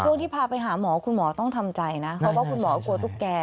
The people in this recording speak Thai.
ที่พาไปหาหมอคุณหมอต้องทำใจนะเพราะว่าคุณหมอกลัวตุ๊กแก่